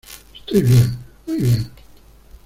Estoy bien. Muy bien .